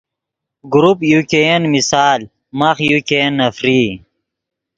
گروپ یو ګئین مثال ماخ یو ګئین نفرئی